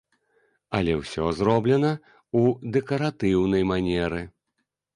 Але ўсе зроблена ў дэкаратыўнай манеры.